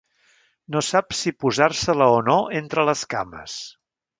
No sap si posar-se-la o no entre les cames.